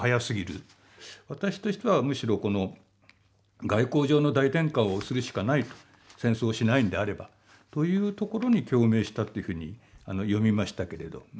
私としてはむしろこの外交上の大転換をするしかないと戦争をしないんであればというところに共鳴したというふうに読みましたけれど。